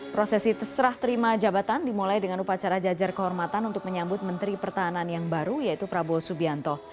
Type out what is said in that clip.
prosesi terserah terima jabatan dimulai dengan upacara jajar kehormatan untuk menyambut menteri pertahanan yang baru yaitu prabowo subianto